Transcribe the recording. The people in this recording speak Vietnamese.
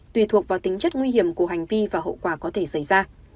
tùy thuộc vào tính chất nguy hiểm của hành vi và hậu quả có thể xảy ra